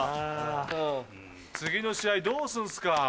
次の試合どうすんすか？